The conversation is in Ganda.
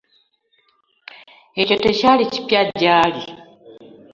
Ekyo tekyali kipya gy'ali.